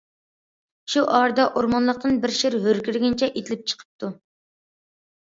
شۇ ئارىدا ئورمانلىقتىن بىر شىر ھۆركىرىگىنىچە ئېتىلىپ چىقىپتۇ.